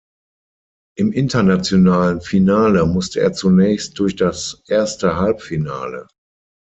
Im internationalen Finale musste er zunächst durch das erste Halbfinale.